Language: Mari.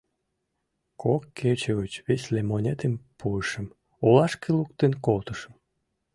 Кок кече гыч висле монетым пуышым, олашке луктын колтышым.